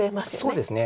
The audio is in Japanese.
そうですね。